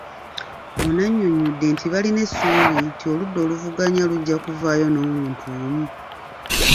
Ono annyonnyodde nti balina essuubi nti oludda oluvuganya lujja kuvaayo n'omuntu omu.